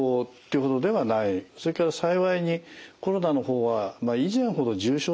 それから幸いにコロナの方は以前ほど重症ではない。